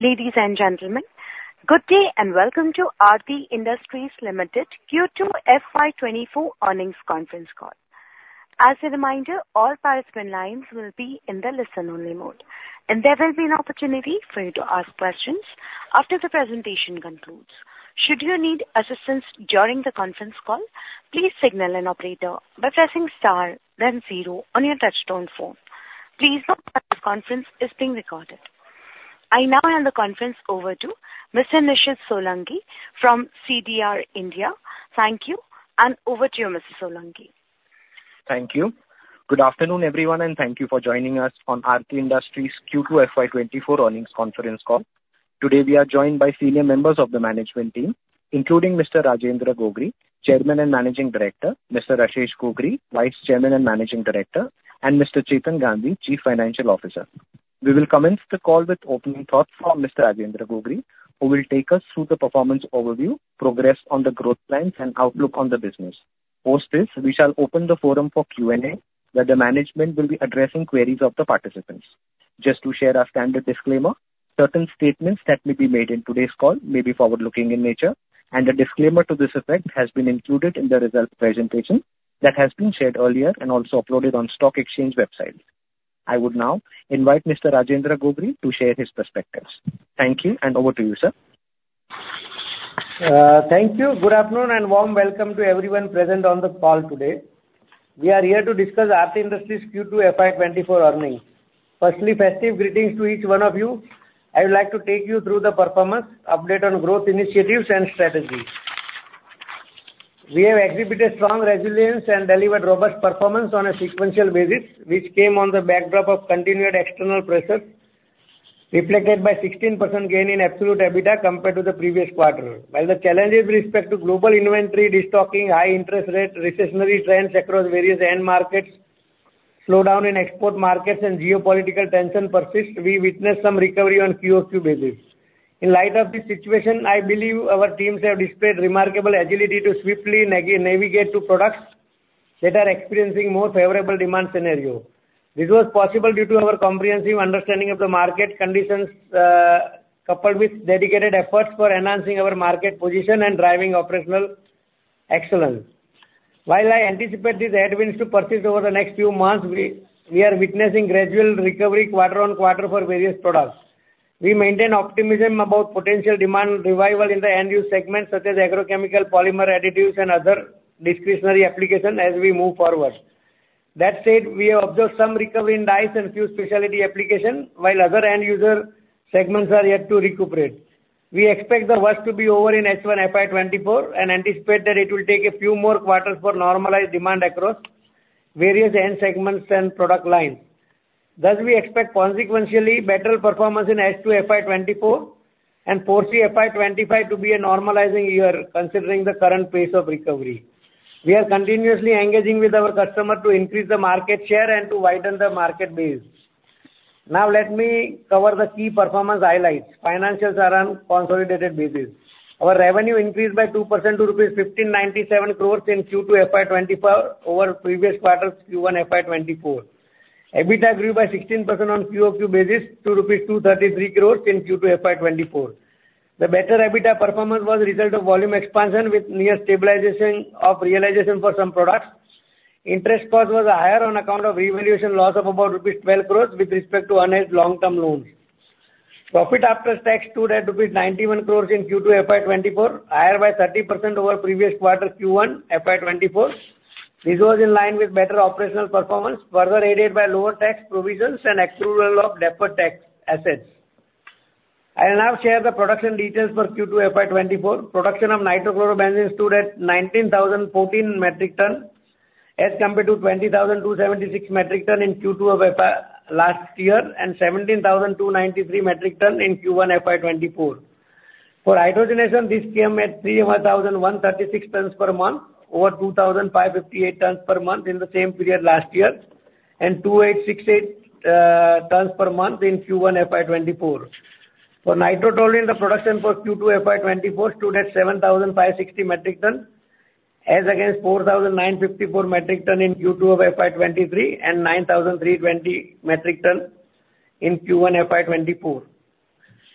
Ladies and gentlemen, good day, and welcome to Aarti Industries Limited Q2 FY 2024 earnings conference call. As a reminder, all participant lines will be in the listen-only mode, and there will be an opportunity for you to ask questions after the presentation concludes. Should you need assistance during the conference call, please signal an operator by pressing star then zero on your touch-tone phone. Please note that this conference is being recorded. I now hand the conference over to Mr. Nishith Solanki from CDR India. Thank you, and over to you, Mr. Solanki. Thank you. Good afternoon, everyone, and thank you for joining us on Aarti Industries Q2 FY 2024 earnings conference call. Today, we are joined by senior members of the management team, including Mr. Rajendra Gogri, Chairman and Managing Director, Mr. Rashesh Gogri, Vice Chairman and Managing Director, and Mr. Chetan Gandhi, Chief Financial Officer. We will commence the call with opening thoughts from Mr. Rajendra Gogri, who will take us through the performance overview, progress on the growth plans, and outlook on the business. Post this, we shall open the forum for Q&A, where the management will be addressing queries of the participants. Just to share our standard disclaimer, certain statements that may be made in today's call may be forward-looking in nature, and a disclaimer to this effect has been included in the results presentation that has been shared earlier and also uploaded on stock exchange website. I would now invite Mr. Rajendra Gogri to share his perspectives. Thank you, and over to you, sir. Thank you. Good afternoon, and warm welcome to everyone present on the call today. We are here to discuss Aarti Industries Q2 FY 2024 earnings. Firstly, festive greetings to each one of you. I would like to take you through the performance, update on growth initiatives and strategies. We have exhibited strong resilience and delivered robust performance on a sequential basis, which came on the backdrop of continued external pressures, reflected by 16% gain in absolute EBITDA compared to the previous quarter. While the challenge with respect to global inventory, destocking, high interest rates, recessionary trends across various end markets, slowdown in export markets, and geopolitical tension persist, we witnessed some recovery on quarter-on-quarter basis. In light of this situation, I believe our teams have displayed remarkable agility to swiftly navigate to products that are experiencing more favorable demand scenario. This was possible due to our comprehensive understanding of the market conditions, coupled with dedicated efforts for enhancing our market position and driving operational excellence. While I anticipate this headwinds to persist over the next few months, we are witnessing gradual recovery quarter-on-quarter for various products. We maintain optimism about potential demand revival in the end-use segments such as agrochemical, polymer additives, and other discretionary application as we move forward. That said, we have observed some recovery in dyes and few specialty applications, while other end-user segments are yet to recuperate. We expect the worst to be over in FY 2024 and anticipate that it will take a few more quarters for normalized demand across various end segments and product lines. Thus, we expect consequentially better performance in FY 2024 and foresee FY 2025 to be a normalizing year, considering the current pace of recovery. We are continuously engaging with our customer to increase the market share and to widen the market base. Now, let me cover the key performance highlights. Financials are on consolidated basis. Our revenue increased by 2% to rupees 1,597 crore in Q2 FY 2024 over previous quarter Q1 FY 2024. EBITDA grew by 16% on quarter-on-quarter basis to rupees 233 crore in Q2 FY 2024. The better EBITDA performance was a result of volume expansion with near stabilization of realization for some products. Interest cost was higher on account of revaluation loss of about rupees 12 crore with respect to unhedged long-term loans. Profit after tax stood at rupees 91 crore in Q2 FY 2024, higher by 30% over previous quarter Q1 FY 2024. This was in line with better operational performance, further aided by lower tax provisions and accrual of deferred tax assets. I will now share the production details for Q2 FY 2024. Production of nitrochlorobenzene stood at 19,014 metric tons, as compared to 20,276 metric tons in Q2 of FY last year, and 17,293 metric tons in Q1 FY 2024. For hydrogenation, this came at 3,136 tons per month, over 2,558 tons per month in the same period last year, and 2,868 tons per month in Q1 FY 2024. For nitrotoluene, the production for Q2 FY 2024 stood at 7,560 metric tons, as against 4,954 metric tons in Q2 of FY 2023, and 9,320 metric tons in Q1 FY24.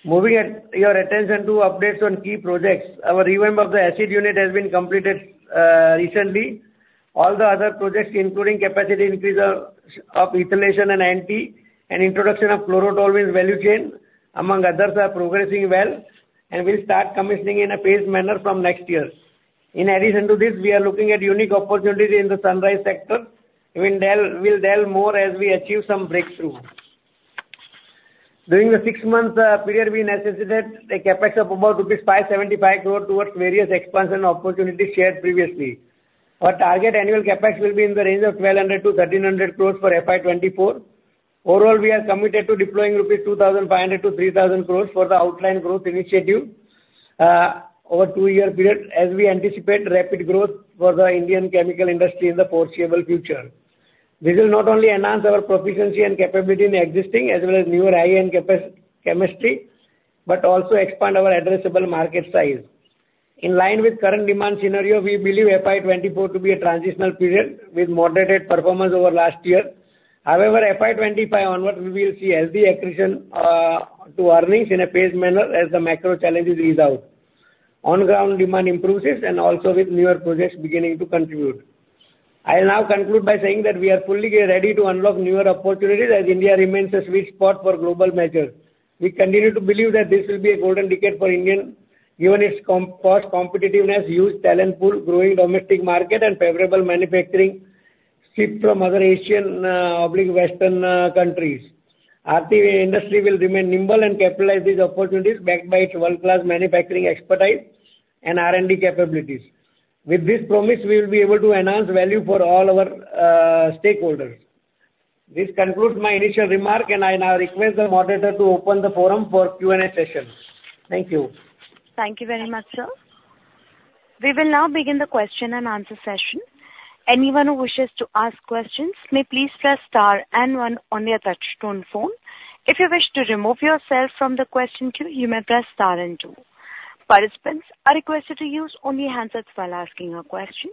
Moving your attention to updates on key projects. Our revamp of the acid unit has been completed recently. All the other projects, including capacity increase of ethylation and introduction of chlorotoluene value chain, among others, are progressing well and will start commissioning in a phased manner from next year. In addition to this, we are looking at unique opportunity in the sunrise sector. We'll delve more as we achieve some breakthrough. During the six months period, we necessitated a CapEx of about rupees 575 crore towards various expansion opportunities shared previously. Our target annual CapEx will be in the range of 1,200 to 1,300 crore for FY 2024. Overall, we are committed to deploying rupees 2,500 to 3,000 crore for the outlined growth initiative over two-year period as we anticipate rapid growth for the Indian chemical industry in the foreseeable future. This will not only enhance our proficiency and capability in existing as well as newer high-end capacity chemistry, but also expand our addressable market size. In line with current demand scenario, we believe FY 2024 to be a transitional period with moderated performance over last year. However, FY 2025 onward, we will see healthy accretion to earnings in a phased manner as the macro challenges ease out, on-ground demand improves, and also with newer projects beginning to contribute. I'll now conclude by saying that we are fully getting ready to unlock newer opportunities, as India remains a sweet spot for global measures. We continue to believe that this will be a golden decade for India, given its cost competitiveness, huge talent pool, growing domestic market, and favorable manufacturing shift from other Asian or Western countries. Aarti Industries will remain nimble and capitalize these opportunities, backed by its world-class manufacturing expertise and R&D capabilities. With this promise, we will be able to enhance value for all our stakeholders. This concludes my initial remark, and I now request the moderator to open the forum for Q&A session. Thank you. Thank you very much, sir. We will now begin the question and answer session. Anyone who wishes to ask questions may please press star and one on their touch-tone phone. If you wish to remove yourself from the question queue, you may press star and two. Participants are requested to use only handsets while asking a question.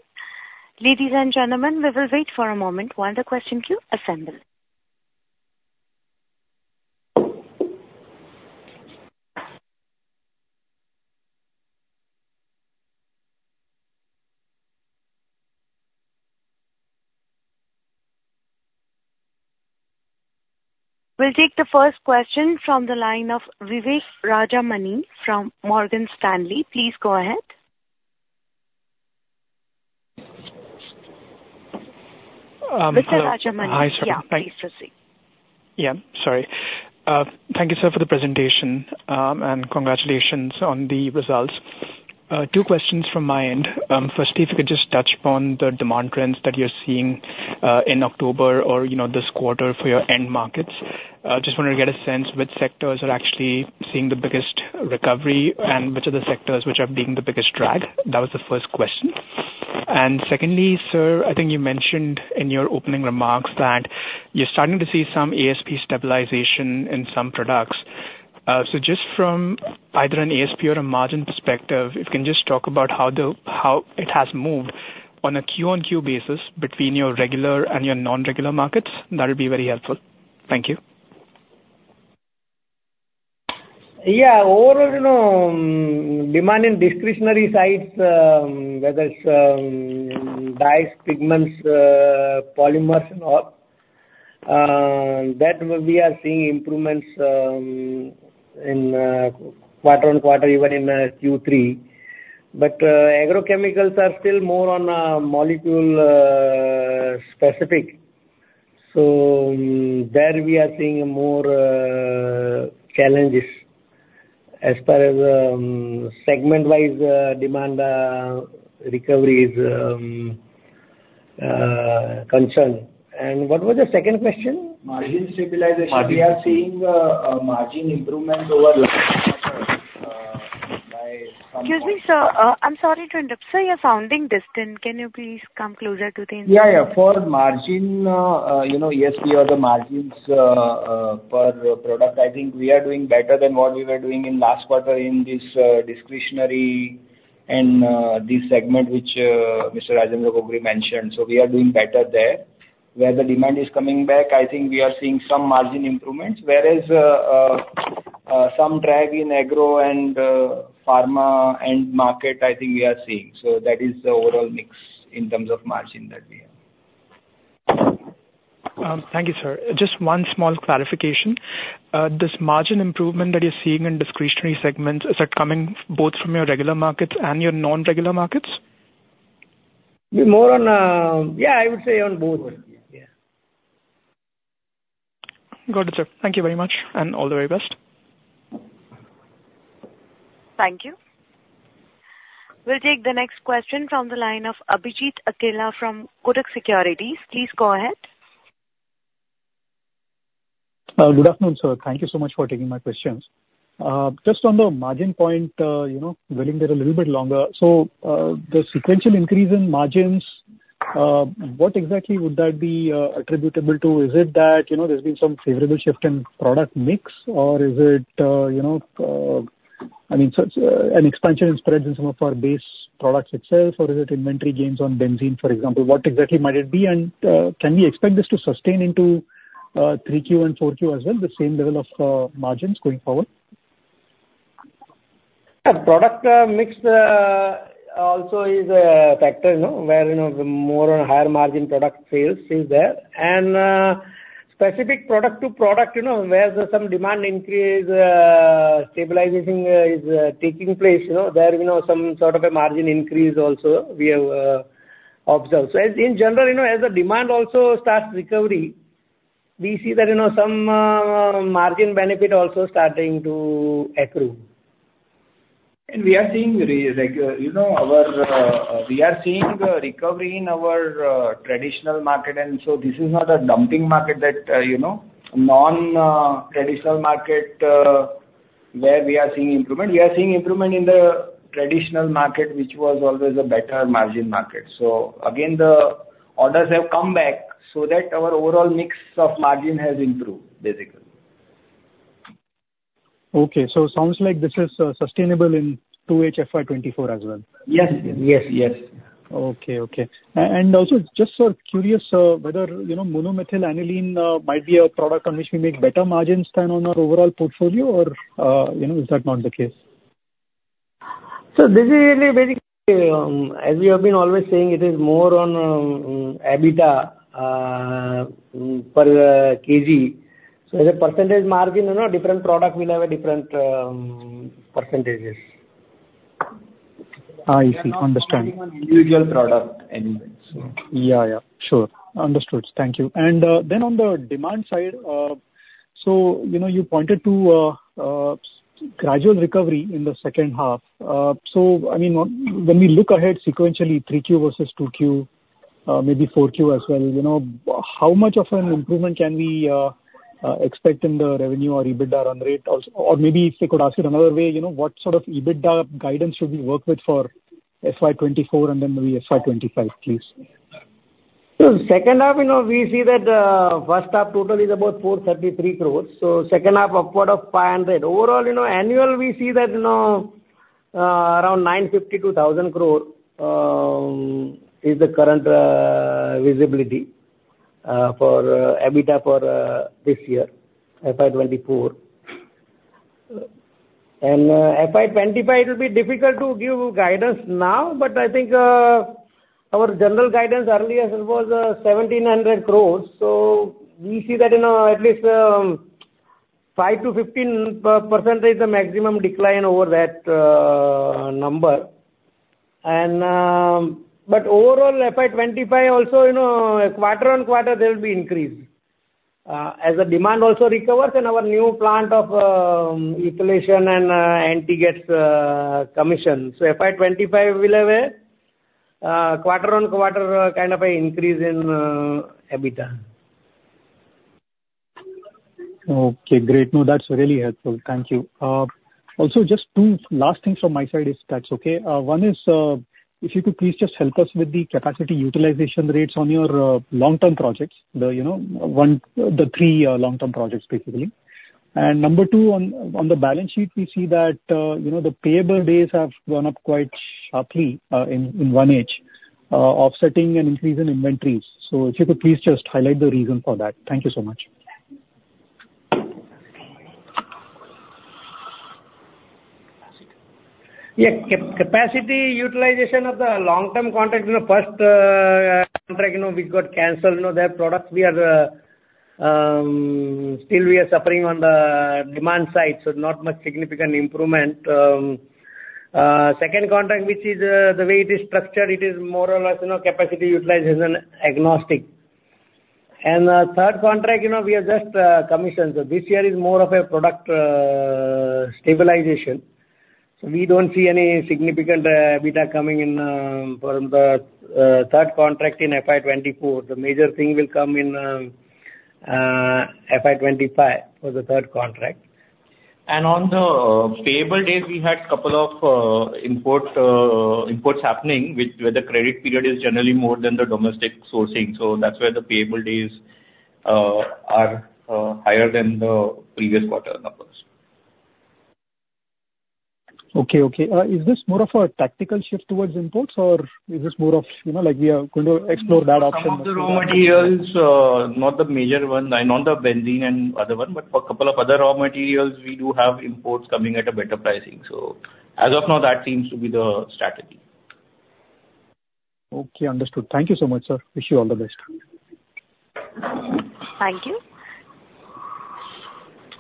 Ladies and gentlemen, we will wait for a moment while the question queue assembles. We'll take the first question from the line of Vivek Rajamani from Morgan Stanley. Please go ahead. Um, hello. Mr. Rajamani. Hi, sir. Yeah, please proceed. Yeah. Sorry. Thank you, sir, for the presentation, and congratulations on the results. Two questions from my end. Firstly, if you could just touch upon the demand trends that you're seeing in October or, you know, this quarter for your end markets. I just wanted to get a sense which sectors are actually seeing the biggest recovery, and which are the sectors which are being the biggest drag? That was the first question. And secondly, sir, I think you mentioned in your opening remarks that you're starting to see some ASP stabilization in some products. So just from either an ASP or a margin perspective, if you can just talk about how it has moved on a Q on Q basis between your regular and your non-regular markets, that would be very helpful. Thank you. Yeah. Overall, you know, demand in discretionary sides, whether it's dyes, pigments, polymers and all, that we are seeing improvements in quarter-on-quarter, even in Q3. But, agrochemicals are still more on a molecule-specific. So, there we are seeing more challenges as far as segment-wise demand recovery is concerned. And what was the second question? Margin stabilization. Margin. We are seeing a margin improvement over last quarter by some. Excuse me, sir. I'm sorry to interrupt. Sir, you're sounding distant. Can you please come closer to the interview? Yeah, yeah. For margin, you know, yes, we are the margins per product. I think we are doing better than what we were doing in last quarter in this discretionary and this segment, which Mr. Rajendra Gogri mentioned. So we are doing better there. Where the demand is coming back, I think we are seeing some margin improvements, whereas some drag in agro and pharma end market, I think we are seeing. So that is the overall mix in terms of margin that we have. Thank you, sir. Just one small clarification. This margin improvement that you're seeing in discretionary segments, is that coming both from your regular markets and your non-regular markets? Be more on. Yeah, I would say on both. Both, yeah. Got it, sir. Thank you very much, and all the very best. Thank you. We'll take the next question from the line of Abhijit Akella from Kotak Securities. Please go ahead. Good afternoon, sir. Thank you so much for taking my questions. Just on the margin point, you know, dwelling there a little bit longer. So, the sequential increase in margins, what exactly would that be attributable to? Is it that, you know, there's been some favorable shift in product mix, or is it, you know, I mean, so it's an expansion in spreads in some of our base products itself or is it inventory gains on benzene, for example? What exactly might it be, and can we expect this to sustain into Q3 and Q4 as well, the same level of margins going forward? Product mix also is a factor, you know, where, you know, the more higher margin product sales is there. And specific product to product, you know, where there's some demand increase stabilization is taking place, you know, there, you know, some sort of a margin increase also we have observed. So as in general, you know, as the demand also starts recovery, we see that, you know, some margin benefit also starting to accrue. And we are seeing, like, you know, our we are seeing the recovery in our traditional market, and so this is not a dumping market that, you know, non-traditional market where we are seeing improvement. We are seeing improvement in the traditional market, which was always a better margin market. So again, the orders have come back so that our overall mix of margin has improved, basically. Okay, so sounds like this is sustainable in 2 FY 2024 as well? Yes. Yes, yes. Okay, okay. And also just sort of curious whether, you know, monomethyl aniline might be a product on which we make better margins than on our overall portfolio, or, you know, is that not the case? This is really basically, as we have been always saying, it is more on EBITDA per kg. As a percentage margin, you know, different product will have a different percentages. Ah, I see. Understand. Individual product anyway, so. Yeah, yeah, sure. Understood. Thank you. Then on the demand side, so, you know, you pointed to gradual recovery in the second half. So I mean, when we look ahead sequentially, 3Q versus 2Q, maybe 4Q as well, you know, how much of an improvement can we expect in the revenue or EBITDA run rate also? Or maybe if I could ask it another way, you know, what sort of EBITDA guidance should we work with for FY 2024 and then maybe FY 2025, please? So second half, you know, we see that, first half total is about 433 crore. So second half, upward of 500 crore. Overall, you know, annual, we see that, you know, around 950 to 1,000 crore, is the current, visibility, for EBITDA for, this year, FY 2024. And, FY 2025, it will be difficult to give guidance now, but I think, our general guidance earlier was, seventeen hundred crore. So we see that in, at least, 5%-15%, the maximum decline over that, number. And, but overall, FY 2025 also, you know, quarter-over-quarter, there will be increase. As the demand also recovers and our new plant of, ethylation and it gets, commissioned. So FY 2025, we'll have a quarter-on-quarter kind of an increase in EBITDA. Okay, great. No, that's really helpful. Thank you. Also just two last things from my side is that, okay? One is, if you could please just help us with the capacity utilization rates on your long-term projects, the, you know, one, the three long-term projects, basically. And number two, on the balance sheet, we see that, you know, the payable days have gone up quite sharply in inventory, offsetting an increase in inventories. So if you could please just highlight the reason for that. Thank you so much. Yeah. Capacity utilization of the long-term contract, in the first contract, you know, we got canceled. You know, that product we are, still we are suffering on the demand side, so not much significant improvement. Second contract, which is, the way it is structured, it is more or less, you know, capacity utilization agnostic. And, third contract, you know, we are just, commissioned. So this year is more of a product, stabilization, so we don't see any significant, EBITDA coming in, from the, third contract in FY 2024. The major thing will come in, FY 2025 for the third contract. On the payable days, we had a couple of imports happening, where the credit period is generally more than the domestic sourcing. So that's where the payable days are higher than the previous quarter numbers. Okay, okay. Is this more of a tactical shift towards imports, or is this more of, you know, like we are going to explore that option? Some of the raw materials, not the major one, and not the benzene and other one, but for a couple of other raw materials, we do have imports coming at a better pricing. As of now, that seems to be the strategy. Okay, understood. Thank you so much, sir. Wish you all the best. Thank you.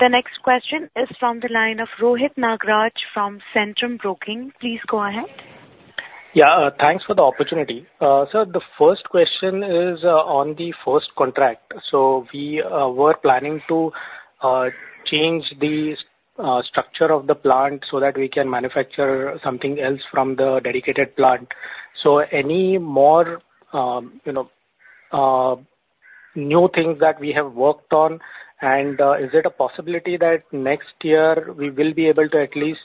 The next question is from the line of Rohit Nagraj from Centrum Broking. Please go ahead. Yeah, thanks for the opportunity. So the first question is on the first contract. So we were planning to change the structure of the plant so that we can manufacture something else from the dedicated plant. So any more, you know, new things that we have worked on? And is there a possibility that next year we will be able to at least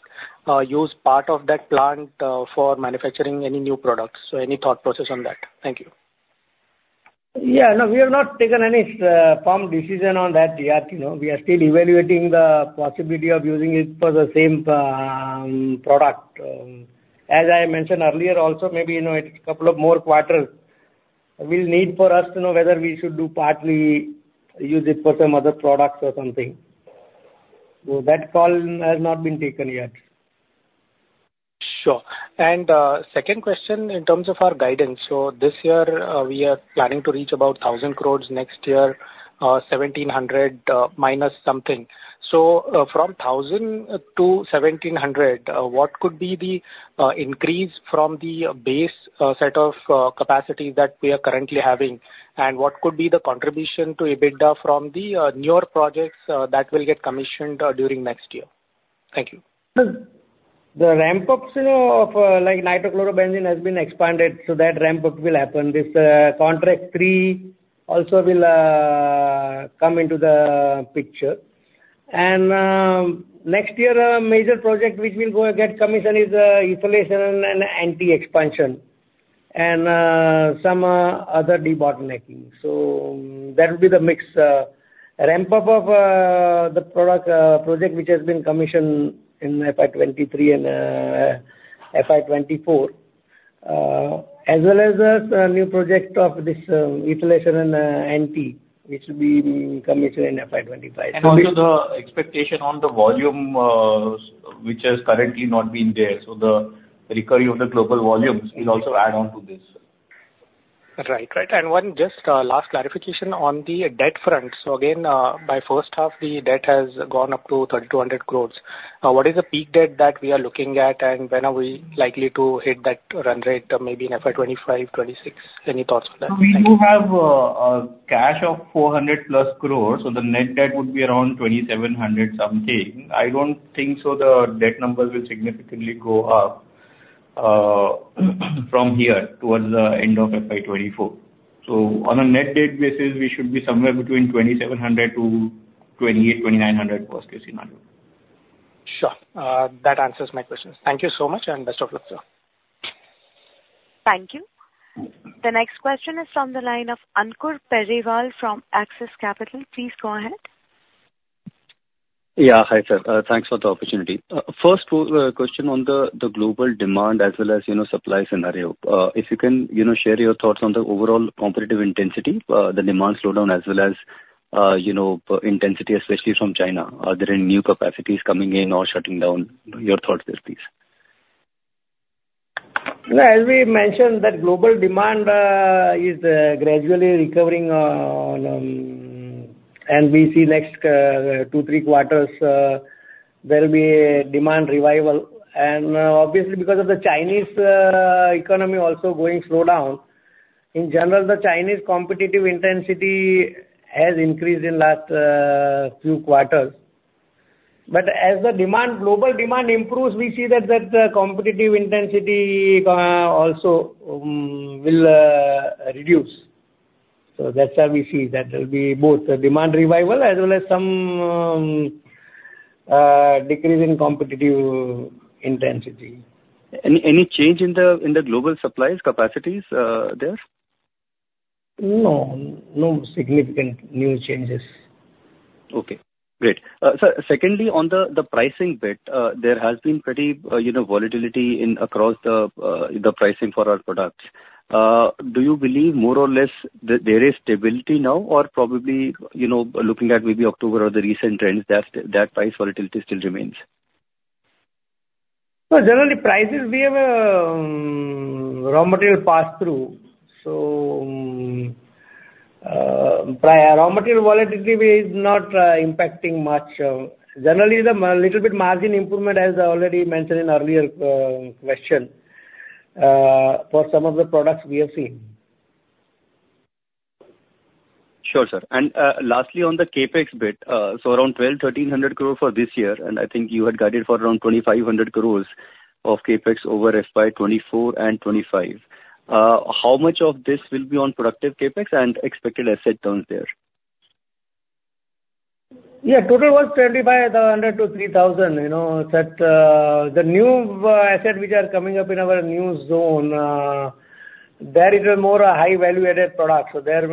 use part of that plant for manufacturing any new products? So any thought process on that? Thank you. Yeah. No, we have not taken any firm decision on that yet, you know, we are still evaluating the possibility of using it for the same product. As I mentioned earlier, also, maybe, you know, a couple of more quarters we'll need for us to know whether we should do partly use it for some other products or something. So that call has not been taken yet. Sure. Second question in terms of our guidance. This year, we are planning to reach about 1,000 crore, next year, 1,700, minus something. From 1,000 to 1,700, what could be the increase from the base set of capacity that we are currently having? And what could be the contribution to EBITDA from the newer projects that will get commissioned during next year? Thank you. The ramp-ups, you know, of, like, nitrochlorobenzene has been expanded, so that ramp-up will happen. This, contract 3 also will, come into the picture. Next year, a major project which will go and get commissioned is, ethylation expansion. And, some, other debottlenecking. So that will be the mix, ramp up of, the product, project, which has been commissioned in FY 2023 and, FY 2024. As well as the new project of this, ethylation and, NT, which will be commissioned in FY 2025. Also the expectation on the volume, which has currently not been there, so the recovery of the global volumes will also add on to this. Right. Right. And one just, last clarification on the debt front. So again, by first half, the debt has gone up to 3,200 crore. Now, what is the peak debt that we are looking at, and when are we likely to hit that run rate, maybe in FY 2025, 2026? Any thoughts on that? We do have a cash of 400+ crore, so the net debt would be around 2,700 something. I don't think so the debt numbers will significantly go up from here towards the end of FY 2024. So on a net debt basis, we should be somewhere between 2,700-2,800, 2,900 worst case scenario. Sure. That answers my questions. Thank you so much, and best of luck, sir. Thank you. The next question is from the line of Ankur Periwal from Axis Capital. Please go ahead. Yeah, hi, sir. Thanks for the opportunity. First question on the, the global demand as well as, you know, supply scenario. If you can, you know, share your thoughts on the overall competitive intensity, the demand slowdown, as well as, you know, intensity, especially from China. Are there any new capacities coming in or shutting down? Your thoughts there, please. As we mentioned, global demand is gradually recovering. We see in the next 2-3 quarters there will be a demand revival. Obviously, because of the Chinese economy also going slowdown, in general, the Chinese competitive intensity has increased in the last few quarters. But as global demand improves, we see that competitive intensity also will reduce. So that's how we see that there'll be both the demand revival as well as some decrease in competitive intensity. Any change in the global supplies capacities there? No, no significant new changes. Okay, great. So secondly, on the pricing bit, there has been pretty, you know, volatility across the pricing for our products. Do you believe more or less that there is stability now or probably, you know, looking at maybe October or the recent trends, that price volatility still remains? So generally, prices, we have a raw material pass through. So, raw material volatility is not impacting much. Generally the little bit margin improvement, as I already mentioned in earlier question, for some of the products we have seen. Sure, sir. Lastly, on the CapEx bit, so around 1,200 to 1,300 crore for this year, and I think you had guided for around 2,500 crore of CapEx over FY 2024 and 2025. How much of this will be on productive CapEx and expected asset turns there? Yeah, total was 2,500-3,000. You know, that, the new, asset which are coming up in our new zone, there it is more a high value-added product, so there,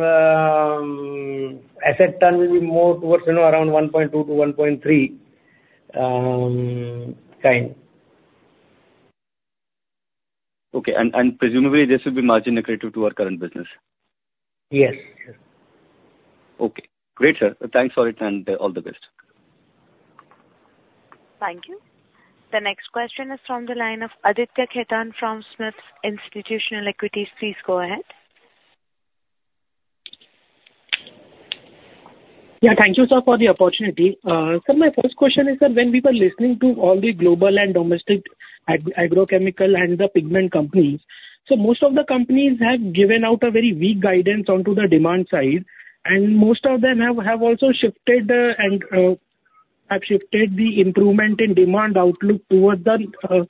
asset turn will be more towards, you know, around 1.2-1.3, kind. Okay. And, presumably this will be margin negative to our current business? Yes. Okay, great, sir. Thanks for it, and all the best. Thank you. The next question is from the line of Aditya Khetan from SMIFS Institutional Equities. Please go ahead. Yeah, thank you, sir, for the opportunity. So my first question is, sir, when we were listening to all the global and domestic agrochemical and the pigment companies, so most of the companies have given out a very weak guidance onto the demand side, and most of them have also shifted the improvement in demand outlook towards the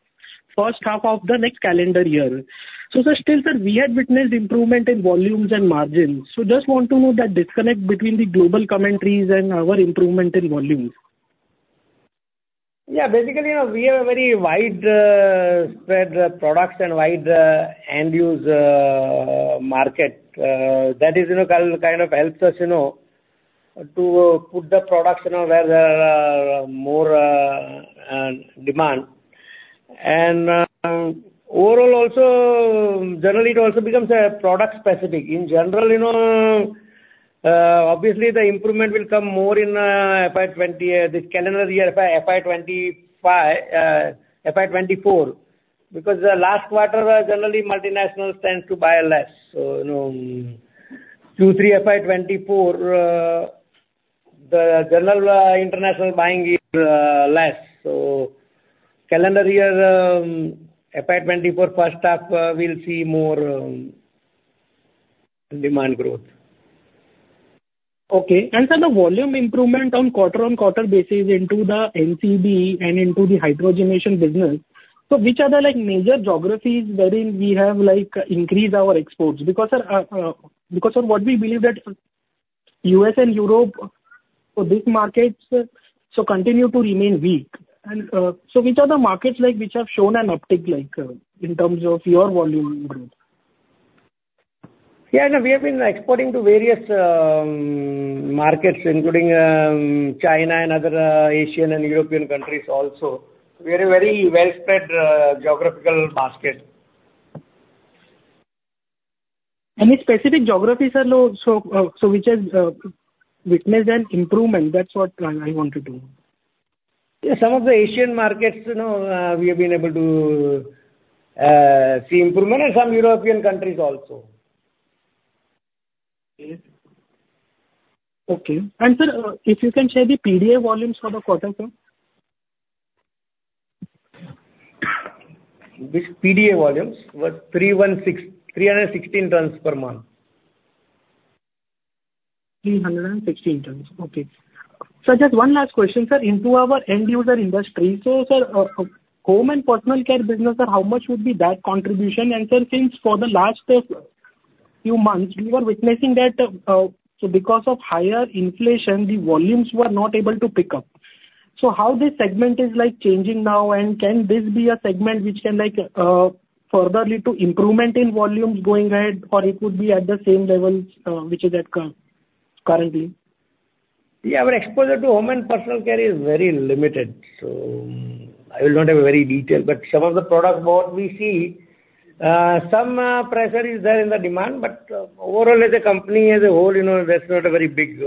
first half of the next calendar year. So still, sir, we had witnessed improvement in volumes and margins. So just want to know the disconnect between the global commentaries and our improvement in volumes. Yeah, basically, you know, we have a very wide spread products and wide end use market that is, you know, kind of helps us, you know, to put the products, you know, where there are more demand. Overall also, generally, it also becomes product specific. In general, you know, obviously the improvement will come more in FY 2020 this calendar year, FY FY 2025 FY 2024, because the last quarter generally multinationals tend to buy less. So, you know, Q3 FY 2024 the general international buying is less. So calendar year FY 2024, first half, we'll see more demand growth. Okay. And so the volume improvement on quarter-on-quarter basis into the NCB and into the hydrogenation business, so which are the, like, major geographies wherein we have, like, increased our exports? Because, because of what we believe that U.S. and Europe, so these markets so continue to remain weak. And, so which are the markets like, which have shown an uptick, like, in terms of your volume growth? Yeah, no, we have been exporting to various markets, including China and other Asian and European countries also. We are a very well spread geographical basket. Any specific geographies at all, so, so which has witnessed an improvement? That's what, I want to know. Yeah, some of the Asian markets, you know, we have been able to see improvement and some European countries also. Okay. And sir, if you can share the PDA volumes for the quarter, sir? This PDA volumes were 316, 316 tons per month. 316 tons. Okay. Sir, just one last question, sir, into our end user industry. So, sir, home and personal care business, sir, how much would be that contribution? And sir, since for the last few months, we were witnessing that, so because of higher inflation, the volumes were not able to pick up. So how this segment is like changing now? And can this be a segment which can like further lead to improvement in volumes going ahead, or it could be at the same level, which is at currently? Yeah, our exposure to home and personal care is very limited, so I will not have a very detail. But some of the products more we see, some pressure is there in the demand. But overall, as a company as a whole, you know, that's not a very big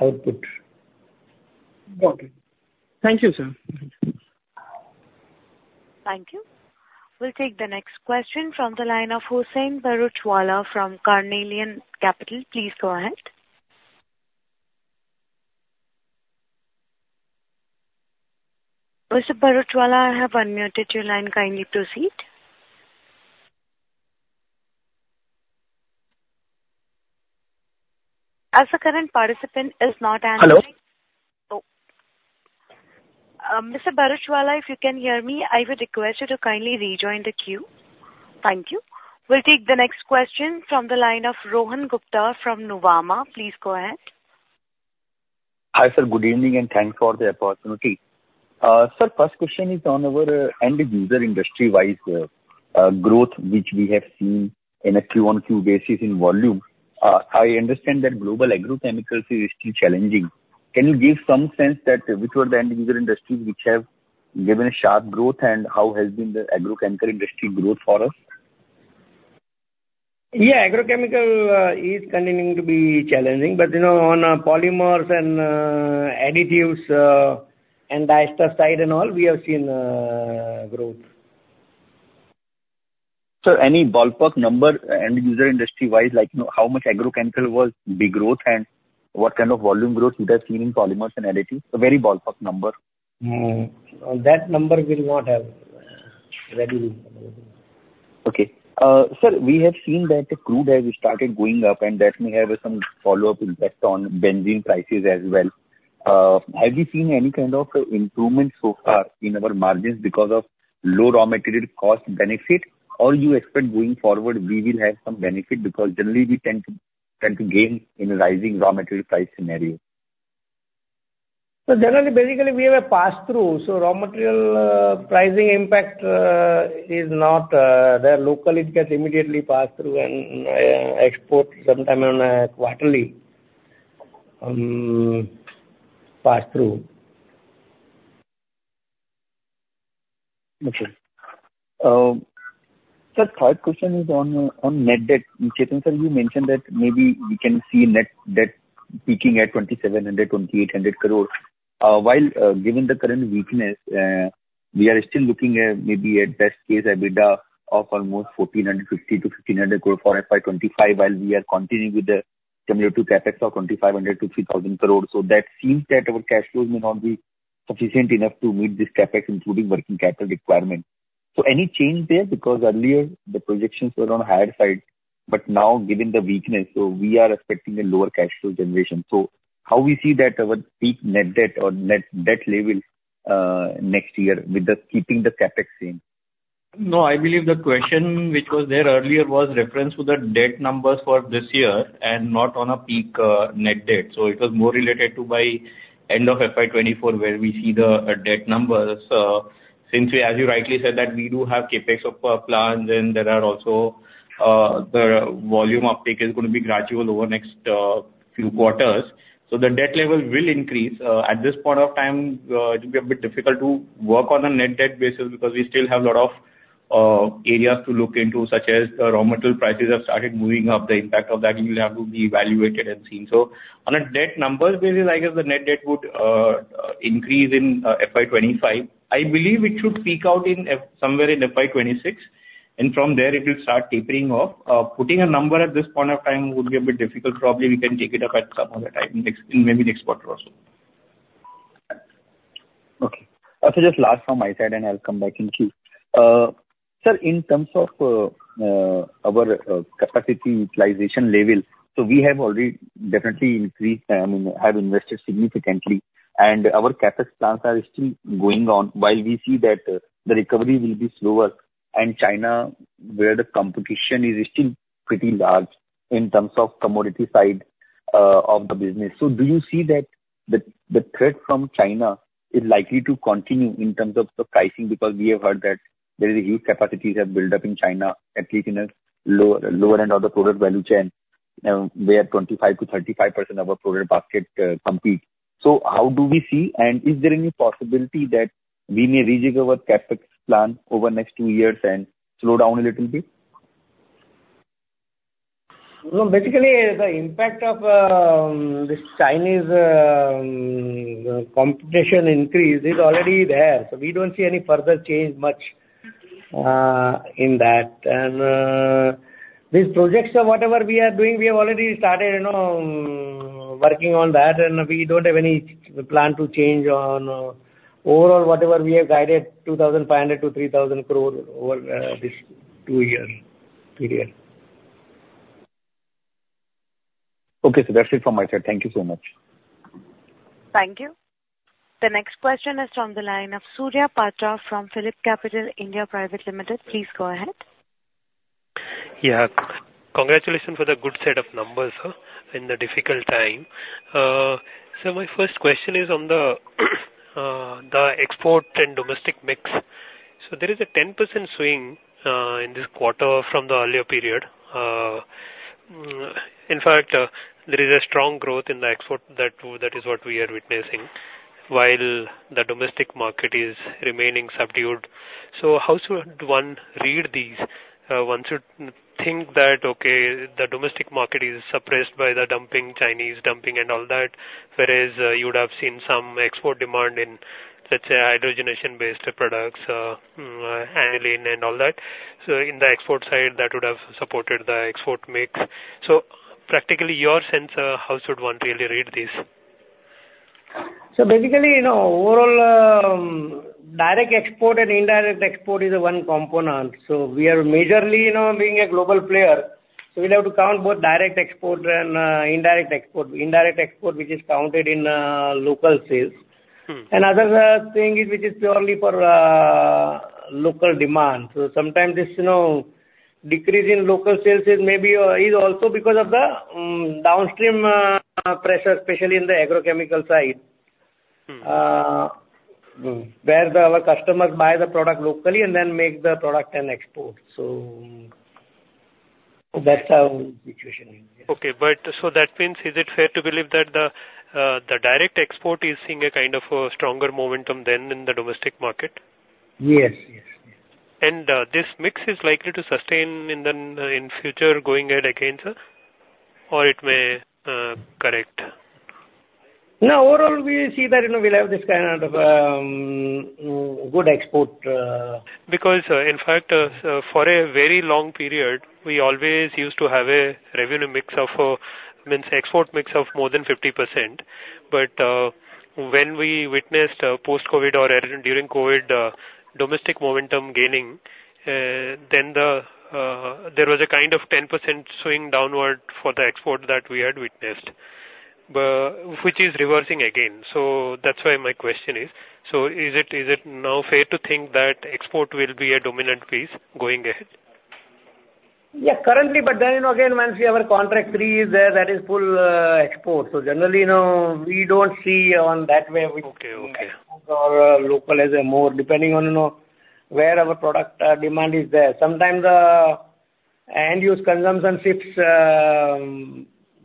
output. Got it. Thank you, sir. Thank you. We'll take the next question from the line of Huseain Bharuchwala from Carnelian Capital. Please go ahead. Mr. Bharuchwala, I have unmuted your line, kindly proceed. As the current participant is not answering. Hello. Oh, Mr. Bharuchwala, if you can hear me, I would request you to kindly rejoin the queue. Thank you. We'll take the next question from the line of Rohan Gupta from Nuvama. Please go ahead. Hi, sir. Good evening, and thanks for the opportunity. Sir, first question is on our end user industry-wise, growth, which we have seen in a Q-on-Q basis in volume. I understand that global agrochemicals is still challenging. Can you give some sense that which were the end user industries which have given a sharp growth, and how has been the agrochemical industry growth for us? Yeah, agrochemical is continuing to be challenging, but you know, on polymers and additives and dyestuffs side and all, we have seen growth. Sir, any ballpark number end user industry-wise, like, you know, how much agrochemical was the growth, and what kind of volume growth we have seen in polymers and additives? A very ballpark number. That number we'll not have ready. Okay. Sir, we have seen that the crude oil has started going up, and that may have some follow-up impact on benzene prices as well. Have you seen any kind of improvement so far in our margins because of low raw material cost benefit? Or do you expect going forward, we will have some benefit because generally we tend to gain in a rising raw material price scenario? So generally, basically, we have a pass-through, so raw material pricing impact is not there. Locally, it gets immediately passed through and export sometime on a quarterly pass-through. Okay. Sir, third question is on net debt. Chetan sir, you mentioned that maybe we can see net debt peaking at 2,700 to 2,800 crore. While, given the current weakness, we are still looking at maybe a best case EBITDA of almost 1,450 to 1,500 crore for FY 2025, while we are continuing with the cumulative CapEx of 2,500 to 3,000 crore. So that seems that our cash flow may not be sufficient enough to meet this CapEx, including working capital requirement. So any change there? Because earlier the projections were on higher side, but now given the weakness, so we are expecting a lower cash flow generation. So how we see that our peak net debt or net debt level next year with the keeping the CapEx same? No, I believe the question which was there earlier was reference to the debt numbers for this year and not on a peak net debt. So it was more related to by end of FY24, where we see the debt numbers. Since we, as you rightly said, that we do have CapEx of plans, and there are also the volume uptake is going to be gradual over next few quarters. So the debt level will increase. At this point of time, it will be a bit difficult to work on a net debt basis because we still have a lot of areas to look into, such as the raw material prices have started moving up. The impact of that will have to be evaluated and seen. So on a debt numbers basis, I guess the net debt would increase in FY 2025. I believe it should peak out somewhere in FY 2026, and from there it will start tapering off. Putting a number at this point of time would be a bit difficult. Probably we can take it up at some other time, next, in maybe next quarter also. Okay. So just last from my side, and I'll come back in queue. Sir, in terms of our capacity utilization level, so we have already definitely increased and have invested significantly, and our CapEx plans are still going on, while we see that the recovery will be slower... and China, where the competition is still pretty large in terms of commodity side of the business. So do you see that the threat from China is likely to continue in terms of the pricing? Because we have heard that there is a huge capacities have built up in China, at least in a lower end of the product value chain, where 25%-35% of our product basket compete. How do we see, and is there any possibility that we may rejig our CapEx plan over the next two years and slow down a little bit? Basically, the impact of this Chinese competition increase is already there, so we don't see any further change much in that. These projects or whatever we are doing, we have already started, you know, working on that, and we don't have any plan to change on overall whatever we have guided, 2,500 to 3,000 crore over this two-year period. Okay, so that's it from my side. Thank you so much. Thank you. The next question is from the line of Surya Patra from PhillipCapital India Private Limited. Please go ahead. Yeah. Congratulations for the good set of numbers, sir, in the difficult time. So my first question is on the export and domestic mix. So there is a 10% swing in this quarter from the earlier period. In fact, there is a strong growth in the export that, that is what we are witnessing, while the domestic market is remaining subdued. So how should one read these? One should think that, okay, the domestic market is suppressed by the dumping, Chinese dumping and all that. Whereas, you would have seen some export demand in, let's say, hydrogenation-based products, aniline and all that. So in the export side, that would have supported the export mix. So practically, your sense, how should one really read this? So basically, you know, overall, direct export and indirect export is one component. So we are majorly, you know, being a global player, so we'll have to count both direct export and indirect export. Indirect export, which is counted in local sales. Other thing is, which is purely for local demand. So sometimes this, you know, decrease in local sales is maybe is also because of the downstream pressure, especially in the agrochemical side. Our customers buy the product locally and then make the product and export. So that's our situation in there. Okay, but so that means, is it fair to believe that the, the direct export is seeing a kind of a stronger momentum than in the domestic market? Yes, yes, yes. This mix is likely to sustain in the future, going ahead again, sir, or it may correct? No, overall, we see that, you know, we'll have this kind of good export. Because, in fact, so for a very long period, we always used to have a revenue mix of, means export mix of more than 50%. But, when we witnessed, post-COVID or during COVID, domestic momentum gaining, then the, there was a kind of 10% swing downward for the export that we had witnessed, which is reversing again. So that's why my question is: So is it, is it now fair to think that export will be a dominant piece going ahead? Yeah, currently, but then again, once we have our contract three is there, that is full export. So generally, you know, we don't see on that way- Okay. Okay. Export or local as a more depending on, you know, where our product demand is there. Sometimes, end-use consumption shifts,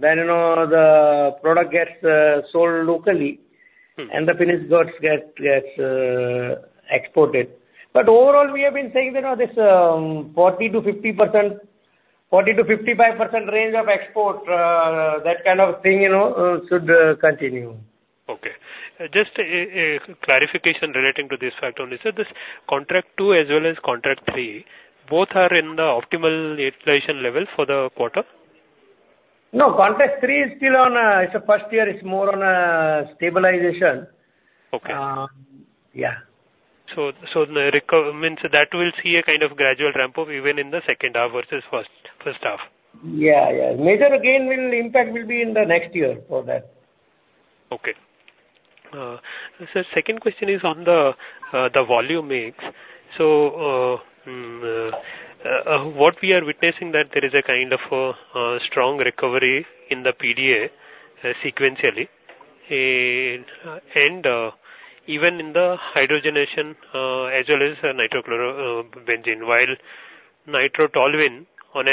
then, you know, the product gets sold locally and the finished goods get exported. But overall, we have been saying, you know, this 40%-50%, 40%-55% range of export, that kind of thing, you know, should continue. Okay. Just a clarification relating to this fact only. So this contract two as well as contract three, both are in the optimal utilization level for the quarter? No, contract three is still on. It's a first year. It's more on stabilization. Okay. So, the recovery means that we will see a kind of gradual ramp up even in the second half versus the first half? Yeah, yeah. Major again, will impact will be in the next year for that. Okay. Sir, second question is on the volume mix. So, what we are witnessing that there is a kind of a strong recovery in the PDA sequentially. And even in the hydrogenation, as well as nitrochlorobenzene, while Nitrotoluene on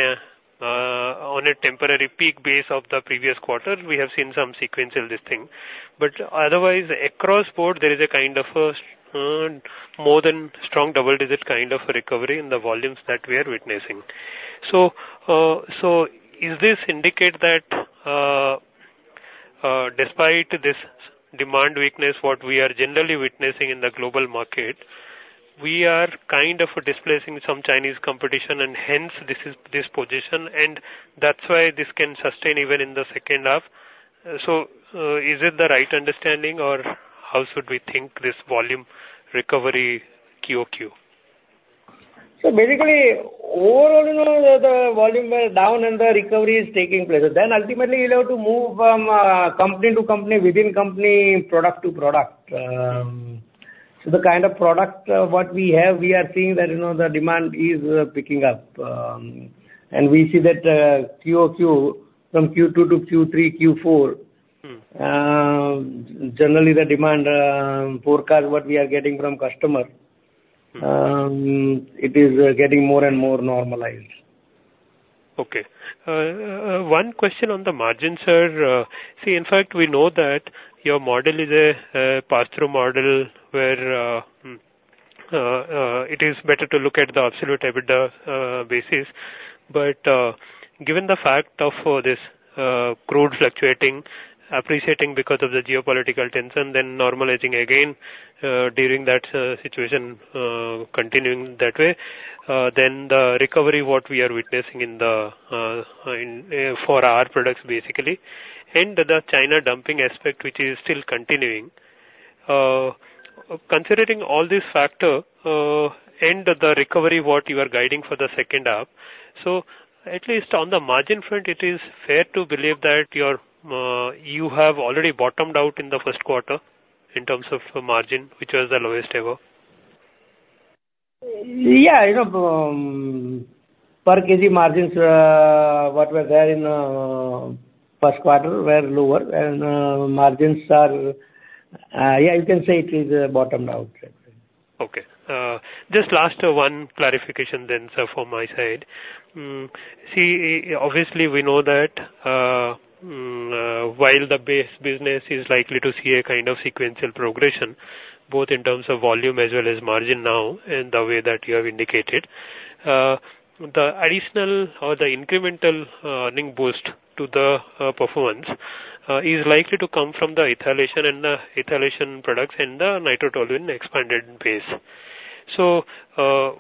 a temporary peak base of the previous quarter, we have seen some sequential this thing. But otherwise, across port, there is a kind of a more than strong double-digit kind of recovery in the volumes that we are witnessing. So, is this indicate that, despite this demand weakness, what we are generally witnessing in the global market, we are kind of displacing some Chinese competition, and hence this is, this position, and that's why this can sustain even in the second half. Is it the right understanding, or how should we think this volume recovery quarter-on-quarter? So basically, overall, the volume were down and the recovery is taking place. Then ultimately, you'll have to move from company to company, within company, product to product. So the kind of product what we have, we are seeing that, you know, the demand is picking up. And we see that quarter-on-quarter, from Q2 to Q3, Q4. Generally, the demand forecast, what we are getting from customer, is getting more and more normalized. Okay. One question on the margin, sir. See, in fact, we know that your model is a pass-through model, where it is better to look at the absolute EBITDA basis. But given the fact of this crude fluctuating, appreciating because of the geopolitical tension, then normalizing again, during that situation continuing that way, then the recovery what we are witnessing in the in for our products, basically, and the China dumping aspect, which is still continuing. Considering all these factor, and the recovery what you are guiding for the second half, so at least on the margin front, it is fair to believe that you're you have already bottomed out in the first quarter in terms of the margin, which was the lowest ever? Yeah, you know, per KG margins, what were there in first quarter were lower, and margins are, yeah, you can say it is bottomed out. Okay. Just last one clarification then, sir, from my side. See, obviously, we know that, while the base business is likely to see a kind of sequential progression, both in terms of volume as well as margin now, in the way that you have indicated, the additional or the incremental, earning boost to the, performance, is likely to come from the ethylation and the ethylation products and the nitrotoluenes expanded base. So,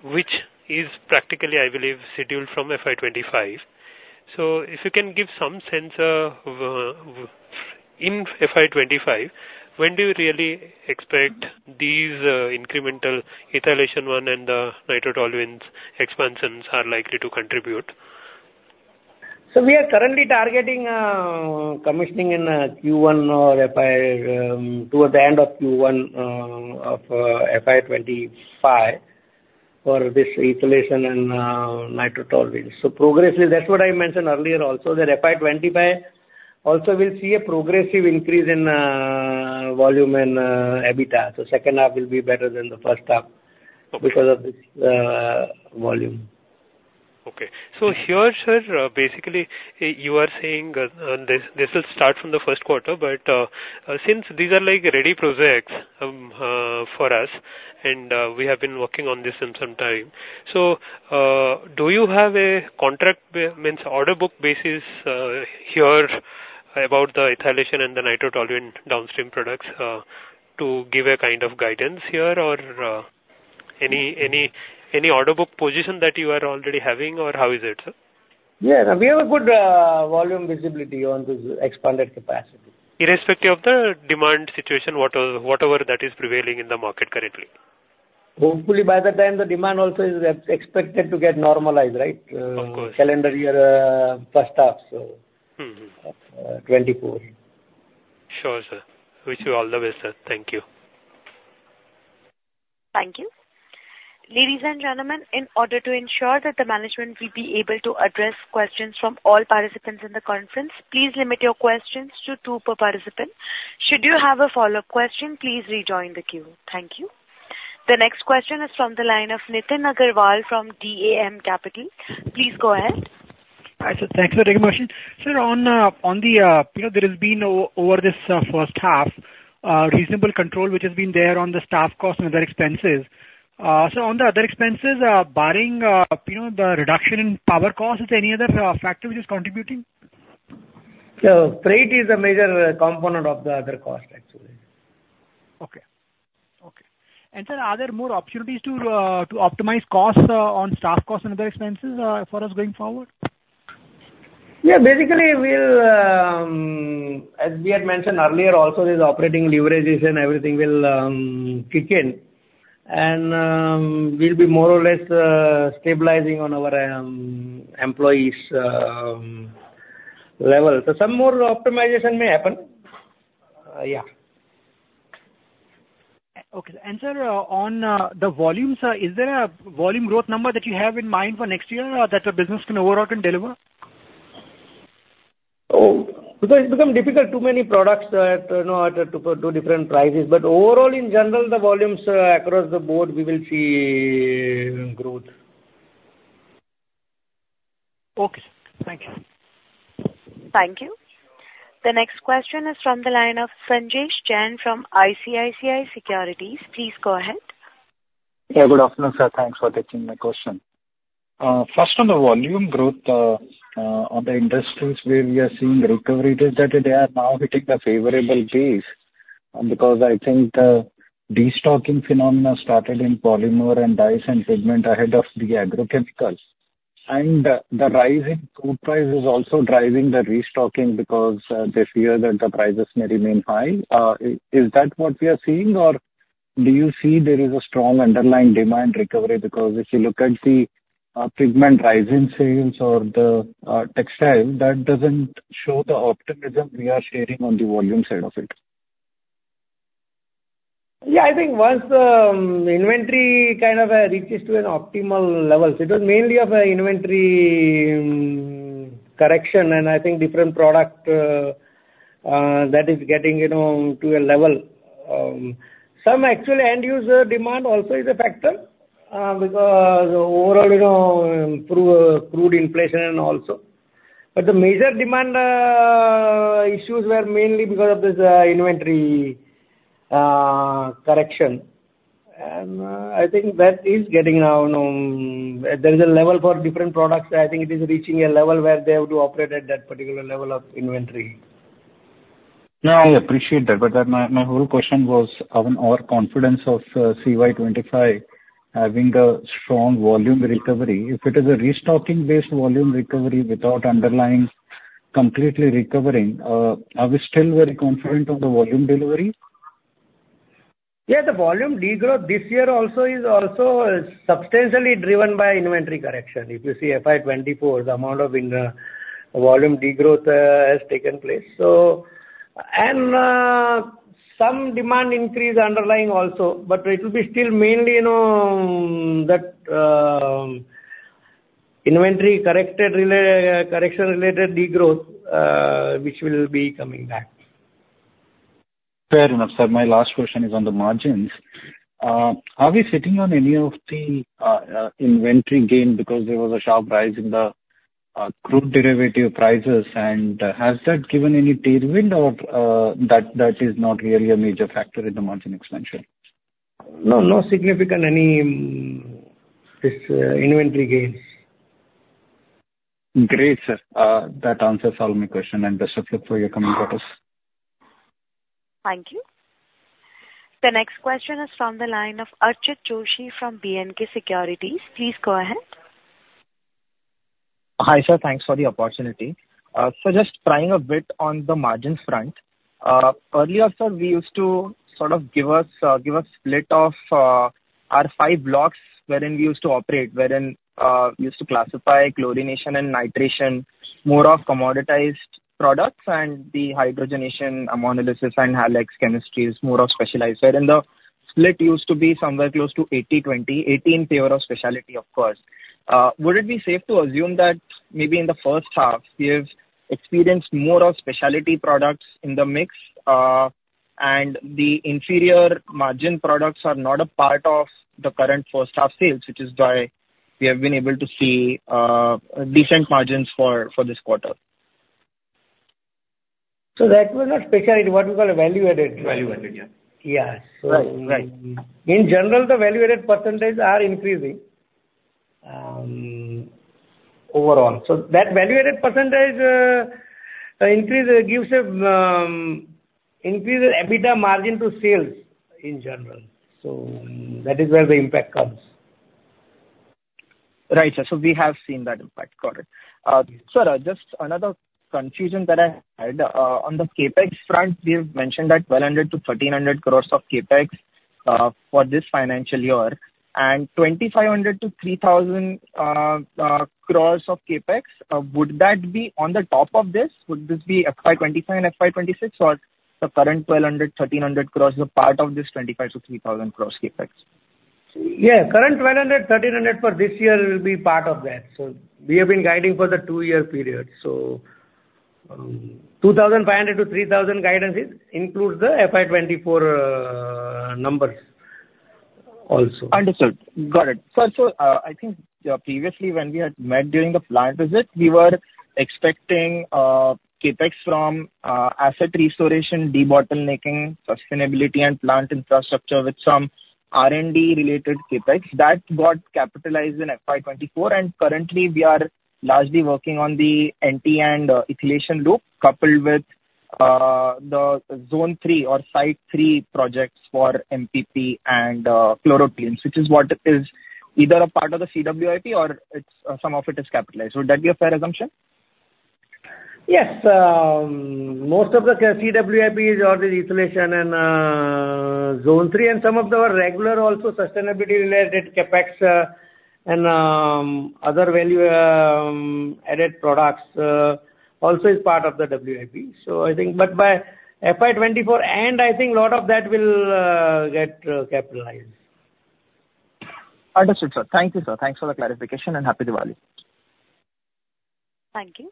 which is practically, I believe, scheduled from FY 2025. So if you can give some sense of, in FY 2025, when do you really expect these, incremental ethylation one and the nitrotoluenes expansions are likely to contribute? So we are currently targeting commissioning in Q1 or FY towards the end of Q1 of FY 2025 for this ethylation and nitrotoluenes. So progressively, that's what I mentioned earlier also, that FY 2025 also will see a progressive increase in volume and EBITDA. So second half will be better than the first half- Okay. Because of this, volume. Okay. So here, sir, basically, you are saying this will start from the first quarter, but since these are like ready projects for us, and we have been working on this in some time, so do you have a contract means order book basis here about the ethylation and the nitrotoluenes downstream products to give a kind of guidance here, or any order book position that you are already having, or how is it, sir? Yeah, we have a good volume visibility on this expanded capacity. Irrespective of the demand situation, whatever that is prevailing in the market currently? Hopefully, by the time the demand also is expected to get normalized, right? Of course. Calendar year, first half, so. Uh, 24. Sure, sir. Wish you all the way, sir. Thank you. Thank you. Ladies and gentlemen, in order to ensure that the management will be able to address questions from all participants in the conference, please limit your questions to two per participant. Should you have a follow-up question, please rejoin the queue. Thank you. The next question is from the line of Nitin Agarwal from DAM Capital. Please go ahead. Hi, sir. Thanks for taking my question. Sir, on the, you know, there has been over this first half reasonable control, which has been there on the staff cost and other expenses. So on the other expenses, barring, you know, the reduction in power costs, is there any other factor which is contributing? Freight is a major component of the other cost actually. Okay. Okay. Sir, are there more opportunities to optimize costs on staff costs and other expenses for us going forward? Yeah, basically, we'll as we had mentioned earlier also, this operating leverage and everything will kick in, and we'll be more or less stabilizing on our employees level. So some more optimization may happen. Yeah. Okay. Sir, on the volumes, is there a volume growth number that you have in mind for next year, or that the business can overall can deliver? Oh, because it's become difficult, too many products, you know, at, to, to different prices. But overall, in general, the volumes across the board, we will see growth. Okay, thank you. Thank you. The next question is from the line of Sanjesh Jain from ICICI Securities. Please go ahead. Yeah, good afternoon, sir. Thanks for taking my question. First on the volume growth, on the industries where we are seeing recovery, is that they are now hitting a favorable phase? Because I think the destocking phenomena started in polymer and dyes and segment ahead of the agrochemicals. And, the rise in crude price is also driving the restocking because, they fear that the prices may remain high. Is that what we are seeing or do you see there is a strong underlying demand recovery? Because if you look at the, pigment rise in sales or the, textile, that doesn't show the optimism we are sharing on the volume side of it. Yeah, I think once the inventory kind of reaches to an optimal level, it was mainly of an inventory correction, and I think different product that is getting, you know, to a level. Some actually end user demand also is a factor, because overall, you know, through crude inflation and also. But the major demand issues were mainly because of this inventory correction. And I think that is getting now known. There is a level for different products. I think it is reaching a level where they have to operate at that particular level of inventory. No, I appreciate that, but then my, my whole question was, on our confidence of, CY 2025 having a strong volume recovery. If it is a restocking-based volume recovery without underlying completely recovering, are we still very confident of the volume delivery? Yeah, the volume degrowth this year also is also substantially driven by inventory correction. If you see FY 2024, the amount of volume degrowth has taken place. So, some demand increase underlying also, but it will be still mainly, you know, that inventory correction-related degrowth, which will be coming back. Fair enough, sir. My last question is on the margins. Are we sitting on any of the inventory gain because there was a sharp rise in the crude derivative prices? And, has that given any tailwind or that is not really a major factor in the margin expansion? No, no significant inventory gains. Great, sir. That answer solved my question, and best of luck for your coming quarters. Thank you. The next question is from the line of Archit Joshi from B&K Securities. Please go ahead. Hi, sir. Thanks for the opportunity. So just prying a bit on the margins front. Earlier, sir, we used to sort of give us, give a split of, our five blocks wherein we used to operate, wherein, we used to classify chlorination and nitration, more of commoditized products, and the hydrogenation, ammonolysis and Halex chemistries, more of specialized, wherein the split used to be somewhere close to 80/20, 80 in favor of specialty, of course. Would it be safe to assume that maybe in the first half, we have experienced more of specialty products in the mix, and the inferior margin products are not a part of the current first half sales, which is why we have been able to see, decent margins for, for this quarter? That was not specialty, what we call a value-added. Value-added, yeah. Right. Right. In general, the value-added percentage are increasing, overall. So that value-added percentage increase gives a increase EBITDA margin to sales in general. So that is where the impact comes. Right, sir. So we have seen that impact. Got it. Sir, just another confusion that I had, on the CapEx front, we have mentioned that 1,200 to 1,300 crore of CapEx for this financial year, and 2,500 to 3,000 crore of CapEx. Would that be on the top of this? Would this be FY 2025 and FY 2026, or the current 1,200 to 1,300 crore are part of this 2,500 to 3,000 crore CapEx? Yeah, current 1,200-1,300 for this year will be part of that. So we have been guiding for the two-year period. So, 2,500-3,000 guidance includes the FY 2024 numbers also. Understood. Got it. Sir, so, I think, previously when we had met during the plant visit, we were expecting, CapEx from, asset restoration, debottlenecking, sustainability and plant infrastructure with some R&D related CapEx. That got capitalized in FY 2024, and currently we are largely working on the NT and, ethylation loop, coupled with, the zone three or site three projects for MPDA and, chlorotoluene, which is what is either a part of the CWIP or it's, some of it is capitalized. Would that be a fair assumption? Yes. Most of the CWIP is all the ethylation and zone three, and some of the regular, also sustainability related CapEx, and other value added products also is part of the CWIP. So I think but by FY 2024, and I think a lot of that will get capitalized. Understood, sir. Thank you, sir. Thanks for the clarification and happy Diwali. Thank you.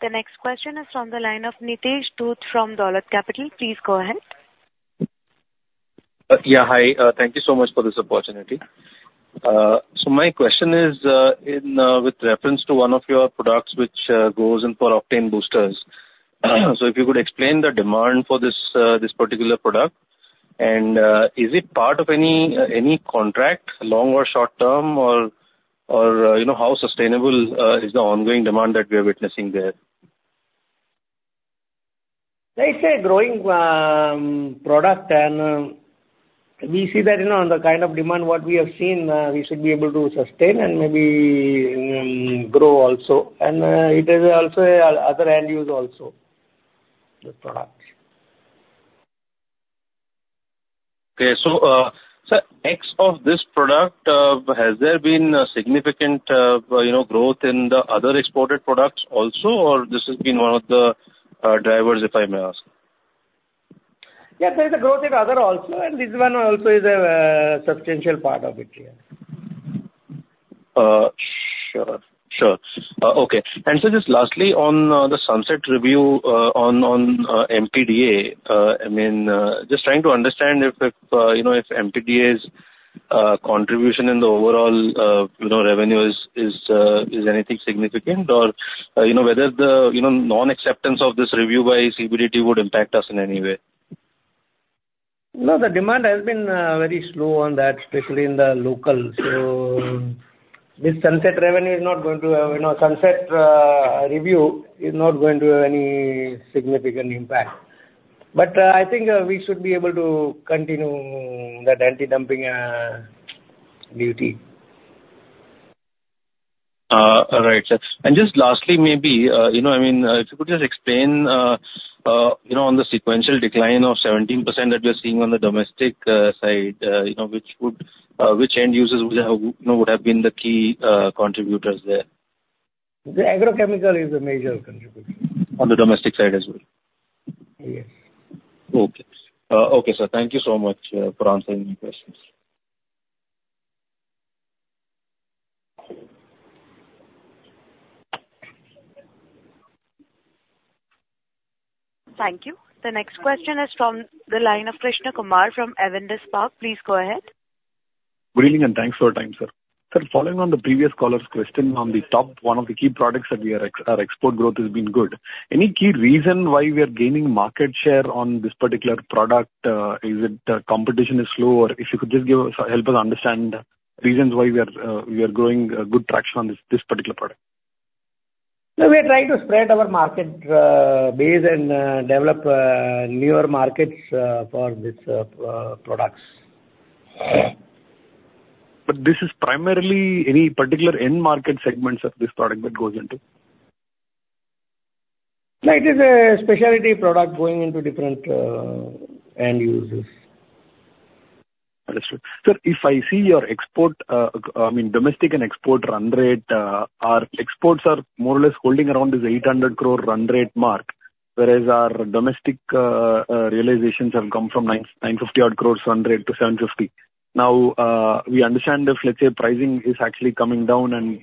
The next question is from the line of Nitesh Dhoot from Dolat Capital. Please go ahead. Yeah, hi. Thank you so much for this opportunity. So my question is, in with reference to one of your products which goes in for octane boosters. So if you could explain the demand for this, this particular product, and is it part of any, any contract, long or short term, or, or you know, how sustainable is the ongoing demand that we are witnessing there? It's a growing product, and we see that, you know, on the kind of demand what we have seen, we should be able to sustain and maybe grow also. And it is also other end use also the product. Okay, so, sir, next of this product, has there been a significant, you know, growth in the other exported products also, or this has been one of the, drivers, if I may ask? Yeah, there is a growth in other also, and this one also is a substantial part of it, yeah. Sure, sure. Okay. And so just lastly, on the Sunset Review on MPDA, I mean, just trying to understand if, you know, if MPDA's contribution in the overall, you know, revenue is anything significant? Or, you know, whether the non-acceptance of this review by CBDT would impact us in any way. No, the demand has been very slow on that, especially in the local. So this Sunset Review is not going to, you know, have any significant impact. But I think we should be able to continue that anti-dumping duty. All right, sir. And just lastly, maybe, you know, I mean, if you could just explain, you know, on the sequential decline of 17% that we are seeing on the domestic side, you know, which would which end users would have, you know, would have been the key contributors there? The agrochemical is a major contributor. On the domestic side as well? Yes. Okay. Okay, sir. Thank you so much for answering my questions. Thank you. The next question is from the line of Krishna Kumar from Avendus Spark. Please go ahead. Good evening, and thanks for your time, sir. Sir, following on the previous caller's question on the top, one of the key products that we are ex- our export growth has been good. Any key reason why we are gaining market share on this particular product? Is it the competition is slow, or if you could just give us, help us understand reasons why we are, we are growing, good traction on this, this particular product. We are trying to spread our market base and develop newer markets for this products. But this is primarily any particular end market segments of this product that goes into? No, it is a specialty product going into different, end users. Understood. Sir, if I see your export, I mean, domestic and export run rate, our exports are more or less holding around this 800 crore run rate mark, whereas our domestic realizations have come from 950 crore run rate to 750. Now, we understand if, let's say, pricing is actually coming down and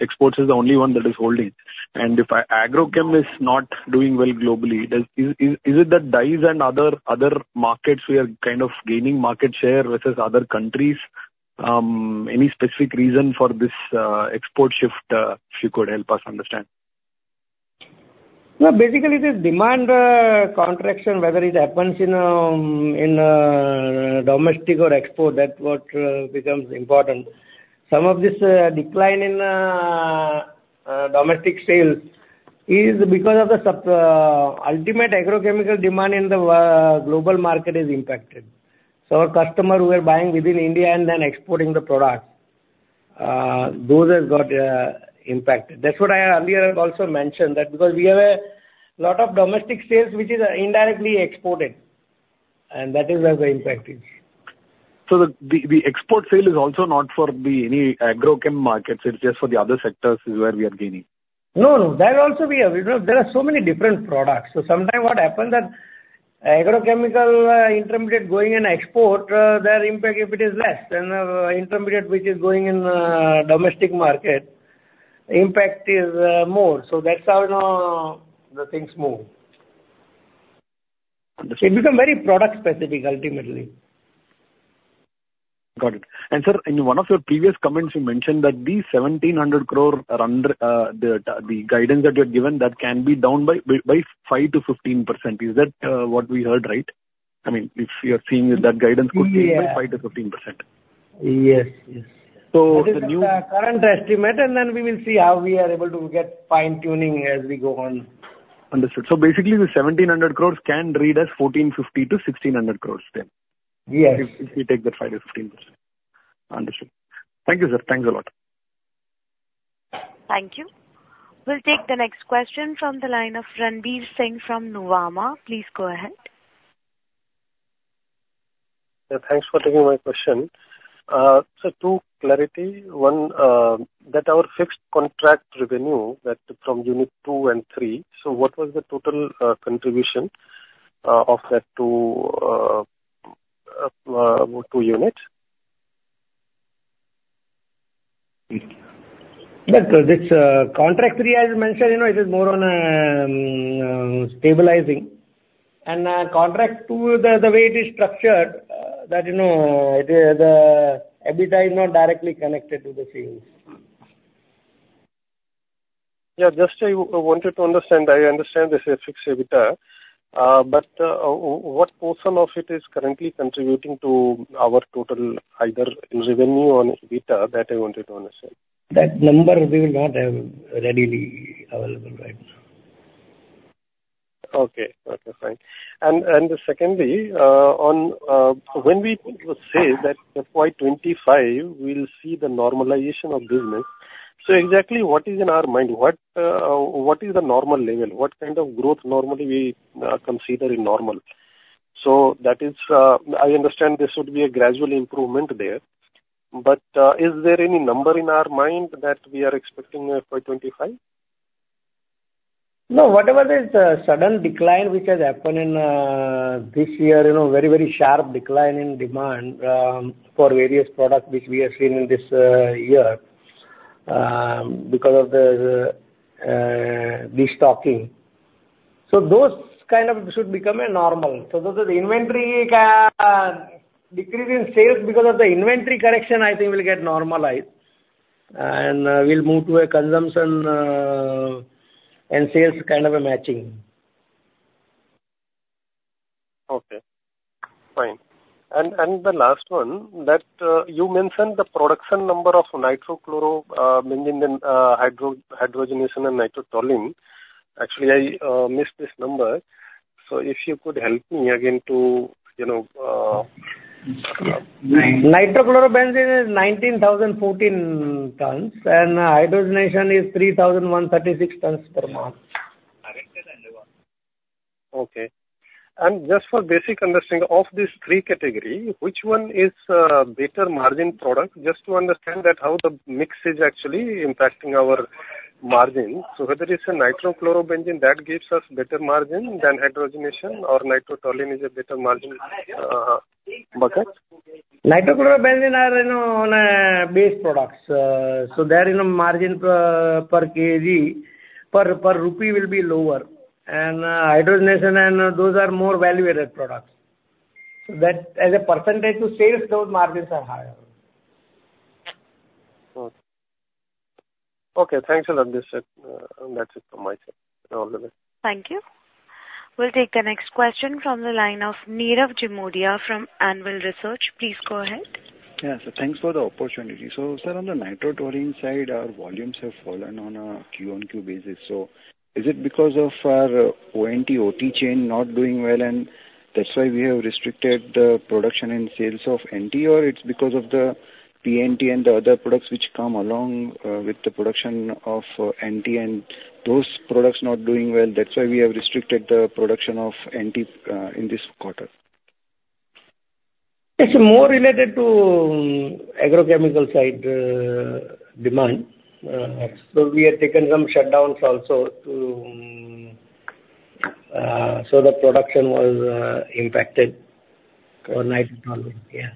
exports is the only one that is holding. And if our agrochem is not doing well globally, does. Is it that dyes and other markets we are kind of gaining market share versus other countries? Any specific reason for this export shift, if you could help us understand? No, basically the demand contraction, whether it happens in domestic or export, that what becomes important. Some of this decline in domestic sales is because of the ultimate agrochemical demand in the global market is impacted. So our customer who are buying within India and then exporting the product, those have got impacted. That's what I earlier have also mentioned, that because we have a lot of domestic sales which is indirectly exported, and that is where the impact is. So the export sale is also not for any agrochem markets, it's just for the other sectors where we are gaining? No, no, that also we have. You know, there are so many different products, so sometimes what happened that agrochemical intermediate going in export, their impact, if it is less than intermediate, which is going in domestic market, impact is more. So that's how, you know, the things move. Understood. It become very product specific, ultimately. Got it. And sir, in one of your previous comments, you mentioned that the 1,700 crore run, the guidance that you had given, that can be down by 5%-15%. Is that what we heard, right? I mean, if you are seeing that guidance could be 5%-15%. Yes, yes. The new. This is the current estimate, and then we will see how we are able to get fine-tuning as we go on. Understood. So basically the 1,700 crore can read as 1,450 to 1,600 crore then? Yes. If we take that 5%-15%. Understood. Thank you, sir. Thanks a lot. Thank you. We'll take the next question from the line of Ranvir Singh from Nuvama. Please go ahead. Yeah, thanks for taking my question. So to clarify. One, the fixed contract revenue from units 2 and 3, so what was the total contribution of those two units? That this contract three, as I mentioned, you know, it is more on stabilizing. Contract two, the way it is structured, that, you know, the EBITDA is not directly connected to the sales. Yeah, just I wanted to understand. I understand this is fixed EBITDA, but what portion of it is currently contributing to our total, either in revenue or EBITDA? That I wanted to understand. That number we will not have readily available right now. Okay. Okay, fine. And, and secondly, on, when we say that the FY 2025, we'll see the normalization of business. So exactly what is in our mind, what, what is the normal level? What kind of growth normally we consider in normal? So that is, I understand there should be a gradual improvement there, but, is there any number in our mind that we are expecting in FY 2025? No, whatever is the sudden decline which has happened in this year, you know, very, very sharp decline in demand for various products which we have seen in this year because of the destocking. So those kind of should become a normal. So those are the inventory can decrease in sales because of the inventory correction, I think will get normalized, and we'll move to a consumption and sales kind of a matching. Okay. Fine. And the last one, that you mentioned the production number of nitrochlorobenzene and hydrogenation and nitrotoluene. Actually, I missed this number, so if you could help me again to, you know. nitrochlorobenzene is 19,014 tons, and hydrogenation is 3,136 tons per month. Okay. And just for basic understanding of these three category, which one is a better margin product? Just to understand that how the mix is actually impacting our margin. So whether it's a nitrochlorobenzene that gives us better margin than hydrogenation or nitrotoluene is a better margin bucket. nitrochlorobenzene are, you know, on base products. So there in a margin per kg per rupee will be lower. And hydrogenation and those are more value-added products. So that as a percentage to sales, those margins are higher. Okay. Okay, thanks a lot, Abhishek. And that's it from my side. All the best. Thank you. We'll take the next question from the line of Nirav Jimudia from Anvil Research. Please go ahead. Yeah. So thanks for the opportunity. So, sir, on the Nitrotoluene side, our volumes have fallen on a Q-on-Q basis. So is it because of our ONT OT chain not doing well, and that's why we have restricted the production and sales of NT, or it's because of the TNT and the other products which come along with the production of NT and those products not doing well, that's why we have restricted the production of NT in this quarter? It's more related to agrochemical side, demand. So we have taken some shutdowns also to, so the production was impacted for nitrotoluene. Yeah.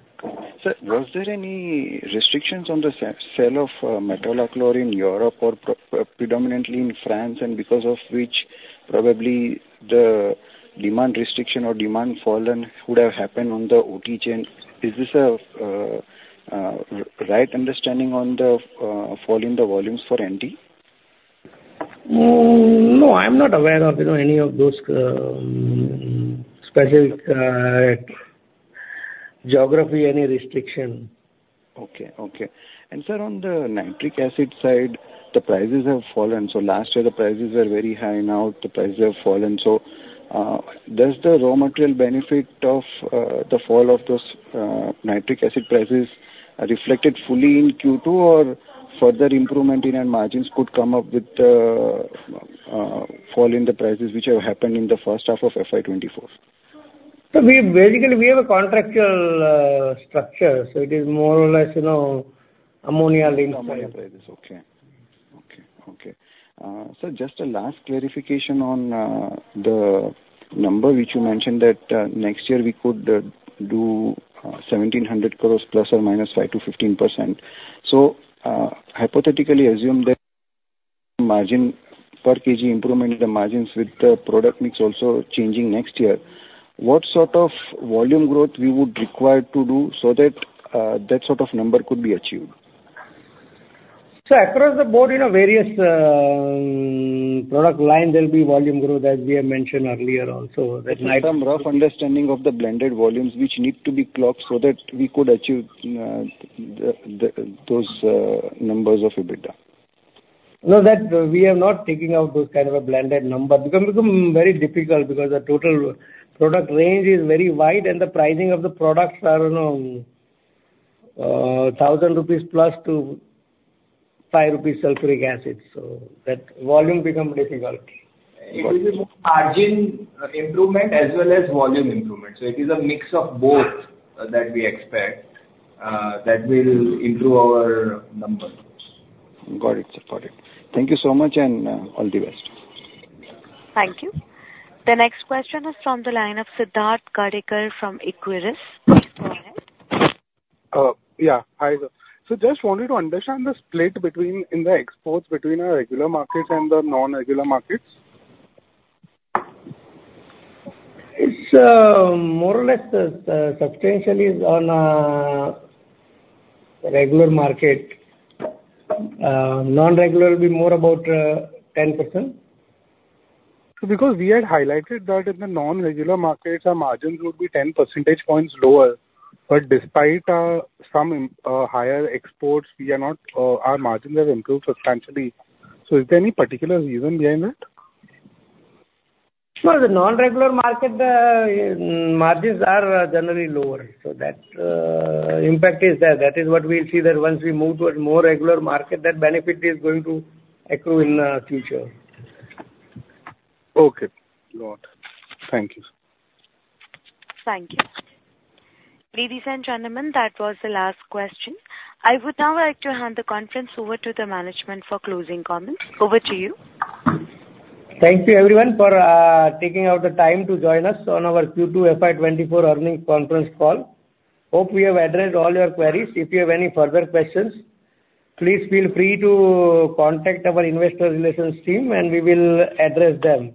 Sir, was there any restrictions on the sale of metolachlor in Europe or predominantly in France, and because of which probably the demand restriction or demand fallen would have happened on the OT chain? Is this a right understanding on the fall in the volumes for NT? No, I'm not aware of, you know, any of those specific geography, any restriction. Okay. Okay. And, sir, on the nitric acid side, the prices have fallen. So last year the prices were very high, now the prices have fallen. So, does the raw material benefit of the fall of those nitric acid prices are reflected fully in Q2, or further improvement in our margins could come up with the fall in the prices which have happened in the first half of FY 2024? We basically, we have a contractual structure, so it is more or less, you know, ammonia linked. Ammonia prices, okay. Okay, okay. So just a last clarification on the number which you mentioned that next year we could do 1,700 crore ±5%-15%. So, hypothetically assume that margin per kg improvement in the margins with the product mix also changing next year, what sort of volume growth we would require to do so that that sort of number could be achieved? So across the board, you know, various product line, there will be volume growth, as we have mentioned earlier also, that nitro- Some rough understanding of the blended volumes which need to be clocked so that we could achieve those numbers of EBITDA. No, that we are not taking out those kind of a blended number. Become very difficult because the total product range is very wide and the pricing of the products are, you know, 1,000 rupees plus to 5 rupees sulfuric acid, so that volume become difficult. It will be more margin improvement as well as volume improvement. So it is a mix of both that we expect, that will improve our numbers. Got it, sir. Got it. Thank you so much, and all the best. Thank you. The next question is from the line of Siddharth Gadekar from Equirus. Go ahead. Yeah. Hi, there. So just wanted to understand the split between in the exports between our regular markets and the non-regular markets. It's more or less substantially on regular market. Non-regular will be more about 10%. So because we had highlighted that in the non-regular markets, our margins would be 10 percentage points lower. But despite some higher exports, we are not our margins have improved substantially. So is there any particular reason behind that? No, the non-regular market margins are generally lower. So that impact is there. That is what we see, that once we move towards more regular market, that benefit is going to accrue in future. Okay. Got it. Thank you. Thank you. Ladies and gentlemen, that was the last question. I would now like to hand the conference over to the management for closing comments. Over to you. Thank you everyone for taking out the time to join us on our Q2 FY 2024 earnings conference call. Hope we have addressed all your queries. If you have any further questions, please feel free to contact our investor relations team and we will address them.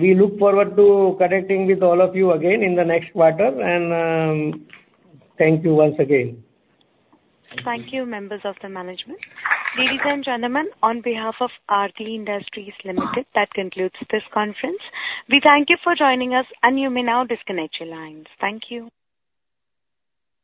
We look forward to connecting with all of you again in the next quarter, and thank you once again. Thank you, members of the management. Ladies and gentlemen, on behalf of Aarti Industries Limited, that concludes this conference. We thank you for joining us, and you may now disconnect your lines. Thank you.